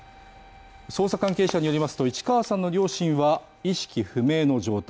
捜査関係者によりますと市川さんの両親は意識不明の状態